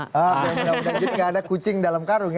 oke mudah mudahan gitu gak ada kucing dalam karung ya